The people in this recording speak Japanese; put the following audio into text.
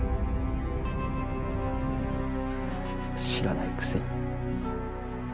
知らないくせに。